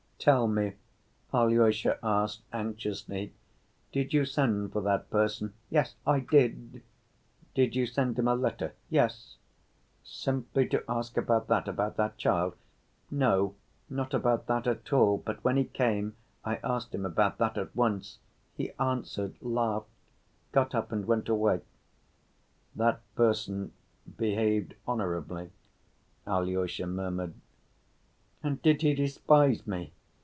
"Tell me," Alyosha asked anxiously, "did you send for that person?" "Yes, I did." "Did you send him a letter?" "Yes." "Simply to ask about that, about that child?" "No, not about that at all. But when he came, I asked him about that at once. He answered, laughed, got up and went away." "That person behaved honorably," Alyosha murmured. "And did he despise me?